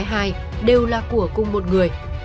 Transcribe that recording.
hai đều là của cùng một người